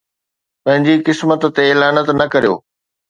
پنهنجي قسمت تي لعنت نه ڪريو